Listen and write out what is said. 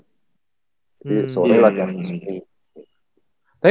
jadi sore latihan sendiri